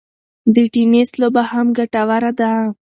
د ټینېس لوبه هم ګټوره ده.